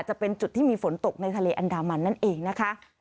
จะเป็นจุดที่มีฝนตกในทะเลอันดามันนั่นเองนะคะ